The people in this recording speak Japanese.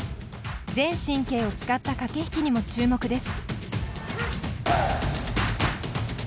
全神経を使った駆け引きにも注目です。